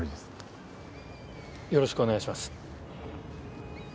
よろしくお願いします。